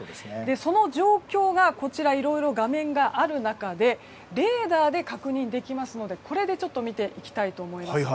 その状況が、こちらいろいろ画面がある中でレーダーで確認できますのでこれで見ていきたいと思います。